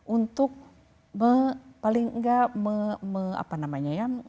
untuk paling enggak mengamati apa namanya ya